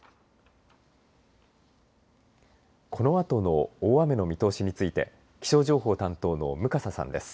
このあとの大雨の見通しについて気象情報担当の向笠さんです。